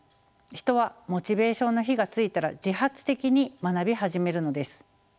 人はモチベーションの火がついたら自発的に学び始めるのです。